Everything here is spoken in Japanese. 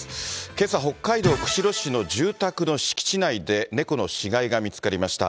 けさ、北海道釧路市の住宅の敷地内で猫の死骸が見つかりました。